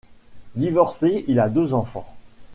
Divorcé, il a deux enfants.